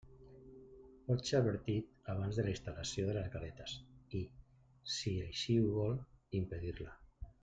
Pot ser advertit abans de la instal·lació de les galetes i, si així ho vol, impedir-la.